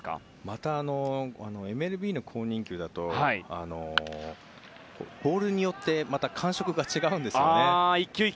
またＭＬＢの公認球だとボールによって感触が違うんですよね。